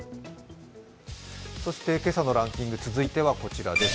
そして今朝のランキング、続いてはこちらです。